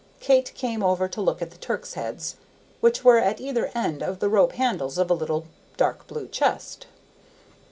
Kate came over to look at the Turk's heads, which were at either end of the rope handles of a little dark blue chest.